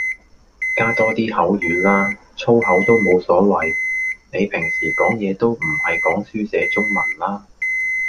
加多啲口語啦，粗口都冇所謂，你平時講嘢都唔係講書寫中文啦